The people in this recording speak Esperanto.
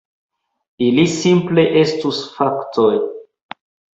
Ili simple estus faktoj.